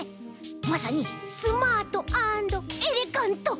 まさにスマートアンドエレガント！